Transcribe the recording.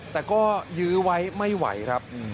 แต่ก็ยื้อไว้ไม่ไหวครับ